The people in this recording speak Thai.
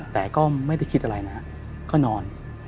แต่ก็ไม่ได้คิดอะไรนะครับก็นอน